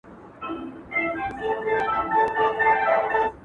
د مریضي پر بستر پروت دی